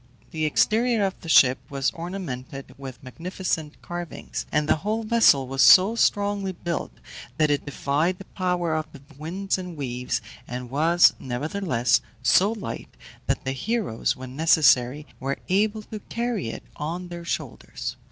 The exterior of the ship was ornamented with magnificent carvings, and the whole vessel was so strongly built that it defied the power of the winds and waves, and was, nevertheless, so light that the heroes, when necessary, were able to carry it on their shoulders.